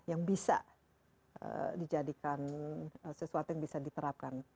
yang bisa dijadikan sesuatu yang bisa diterapkan